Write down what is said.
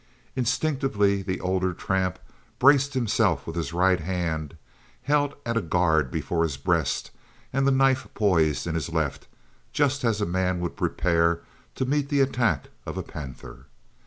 Instinctively the older tramp braced himself with his right hand held at a guard before his breast and the knife poised in his left, just as a man would prepare to meet the attack of a panther.